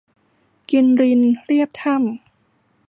กินรินเลียบถ้ำ